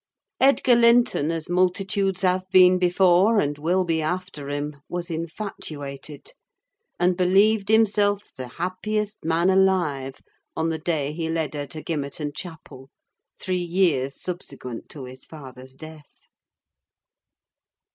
Edgar Linton, as multitudes have been before and will be after him, was infatuated: and believed himself the happiest man alive on the day he led her to Gimmerton Chapel, three years subsequent to his father's death.